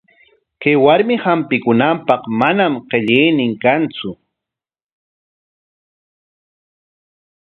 Kay warmi hampikunanpaq manam qillaynin kantsu.